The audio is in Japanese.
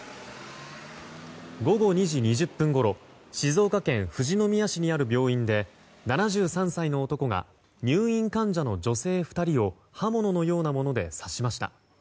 午後２時２０分ごろ静岡県富士宮市にある病院で７３歳の男が入院患者の女性２人を刃物のようなもので刺しました。